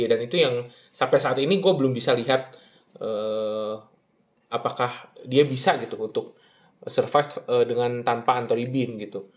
dan itu yang sampai saat ini gue belum bisa lihat apakah dia bisa gitu untuk survive tanpa anthony bean gitu